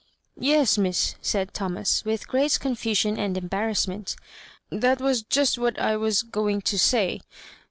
" Yes, Miss," said Thomasj with great confu sion and embarrassment ;that was just what I was going to say.